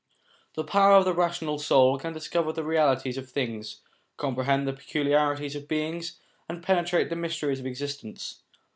The power of the rational soul can discover the realities of things, comprehend the peculiarities of beings, and penetrate the mysteries of existence.